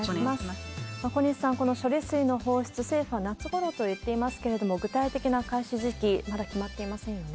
小西さん、この処理水の放出、政府は夏ごろと言っていますけれども、具体的な開始時期、まだ決まっていませんよね。